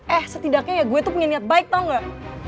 eh setidaknya ya gue tuh punya niat baik tau gak